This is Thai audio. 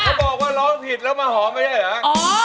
บอกว่าร้องผิดแล้วมาหอมไม่ได้เหรอ